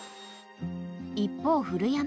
［一方古山］